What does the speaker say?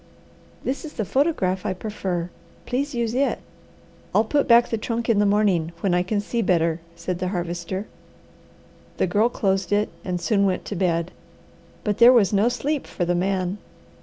This is the photograph I prefer; please use it." "I'll put back the trunk in the morning, when I can see better," said the Harvester. The Girl closed it, and soon went to bed. But there was no sleep for the man.